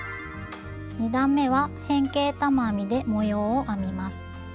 ２段めは変形玉編みで模様を編みます。